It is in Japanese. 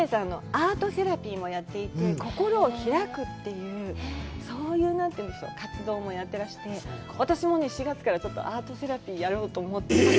アートセラピーもやっていて、心を開くという、そういう、活動もやっていらして、私も４月からちょっとアートセラピーやろうと思ってます。